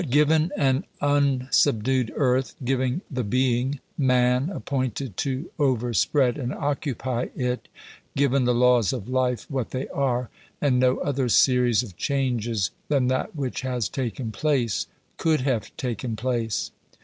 given an unsubdued earth; given the being — man, appointed to overspread and occupy it ; given the laws of life what they are ; and no other series of changes than that which has taken place, could have taken place.